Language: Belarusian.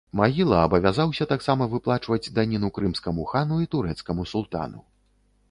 Магіла абавязаўся таксама выплачваць даніну крымскаму хану і турэцкаму султану.